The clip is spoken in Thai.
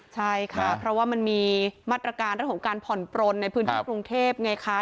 ใช่ค่ะเพราะว่ามันมีมาตรการเรื่องของการผ่อนปลนในพื้นที่กรุงเทพไงคะ